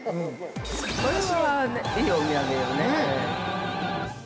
◆これは、いいお土産よね。